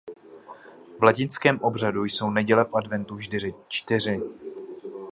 V latinském obřadu jsou neděle v adventu vždy čtyři.